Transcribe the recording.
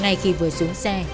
ngay khi vừa xuống xe